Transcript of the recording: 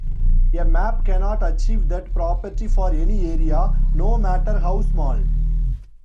A map cannot achieve that property for any area, no matter how small.